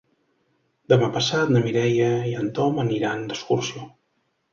Demà passat na Mireia i en Tom aniran d'excursió.